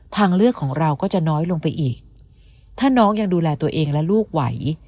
ทางเลือกของเราก็จะน้อยลงไปอีกถ้าน้องยังดูแลตัวเองและลูกไหว